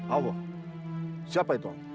allah siapa itu